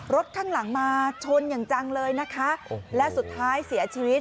ข้างหลังมาชนอย่างจังเลยนะคะและสุดท้ายเสียชีวิต